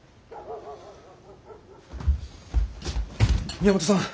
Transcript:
宮本さん！